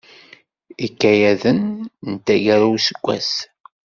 Ikayaden n taggara n useggas.